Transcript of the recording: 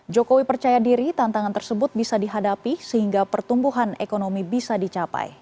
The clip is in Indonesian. jokowi percaya diri tantangan tersebut bisa dihadapi sehingga pertumbuhan ekonomi bisa dicapai